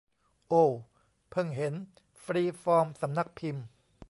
โอว เพิ่งเห็น ฟรีฟอร์มสำนักพิมพ์